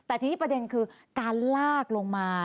แต่ทีนี้ประเด็นคือการลากลงมา